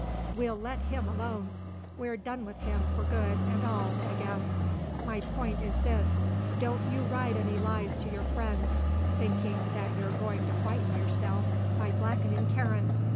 "We'll let him alone. We're done with him for good and all, I guess. My point is this: don't you write any lies to your friends thinking that you're going to whiten yourself by blackening Karen.